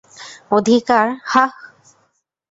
অধিকার, হাহ?